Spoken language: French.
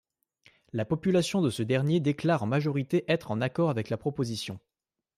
La population de ce dernier déclare en majorité être en accord avec la proposition.